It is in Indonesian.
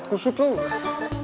tunggu sebentar ya